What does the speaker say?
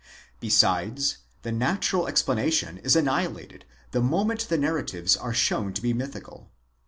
Besides, the natural explanation is annihilated the moment the narratives are shown to be mythical.